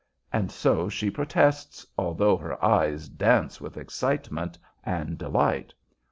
And so she protests, although her eyes dance with excitement and delight.